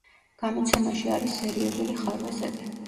გამოცემაში არის სერიოზული ხარვეზები.